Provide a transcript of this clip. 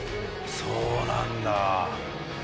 そうなんだ。